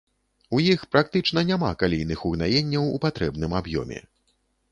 У іх практычна няма калійных угнаенняў у патрэбным аб'ёме.